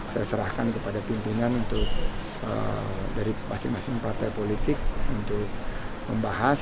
saya serahkan kepada pimpinan untuk dari masing masing partai politik untuk membahas